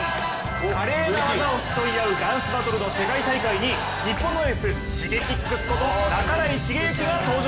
華麗な技を競い合うダンスバトルの世界大会に、日本のエース・Ｓｈｉｇｅｋｉｘこと半井重幸が登場。